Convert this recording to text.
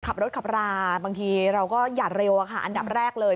ขับรถขับราบางทีเราก็อย่าเร็วอะค่ะอันดับแรกเลย